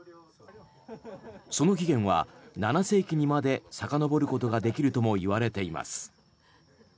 その起源は７世紀にまでさかのぼることができるともいわれています。